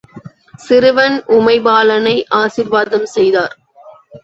சிறுவன் உமைபாலனை ஆசீர்வாதம் செய்தார்.